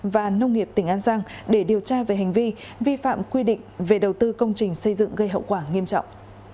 và nông nghiệp tỉnh an giang để điều tra về hành vi vi phạm quy định về đầu tư công trình xây dựng gây hậu quả nghiêm trọng